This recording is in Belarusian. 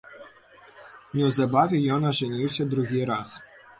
Неўзабаве ён ажаніўся другі раз.